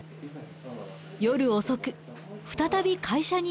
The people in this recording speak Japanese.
夜遅く再び会社に戻る。